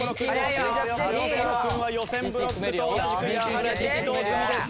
田所君は予選ブロックと同じくやはり適当積みです。